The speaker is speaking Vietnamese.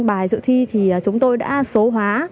bài dự thi thì chúng tôi đã số hóa